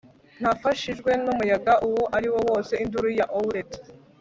Ntafashijwe numuyaga uwo ari wo wose Induru ya owlet